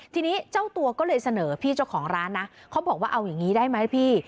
ทีนี้เจ้าตัวก็เลยเสนอพี่เจ้าของร้านนะเขาบอกว่าเอาอย่างนี้ได้ไหมพี่